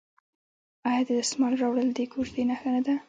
آیا د دسمال راوړل د کوژدې نښه نه ده؟